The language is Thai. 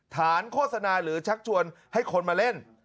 โฆษณาหรือชักชวนให้คนมาเล่น